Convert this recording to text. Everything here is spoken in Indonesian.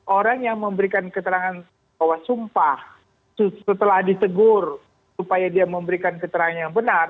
orang yang memberikan keterangan bahwa sumpah setelah ditegur supaya dia memberikan keterangan yang benar